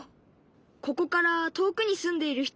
ここから遠くに住んでいる人。